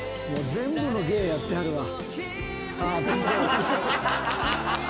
全部の芸やってはるわ。